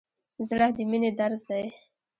زړه د مینې درس دی.